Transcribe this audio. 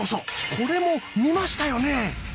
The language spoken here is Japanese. これも見ましたよね。